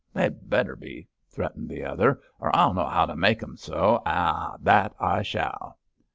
'They'd better be,' threatened the other, 'or I'll know how to make 'em so. Ah, that I shall.'